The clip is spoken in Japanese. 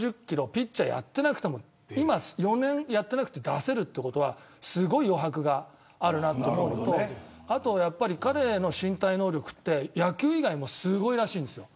ピッチャーやっていなくても４年やっていなくて出せるということはすごく余白があると思うのと彼の身体能力は野球以外もすごいらしいんですよ。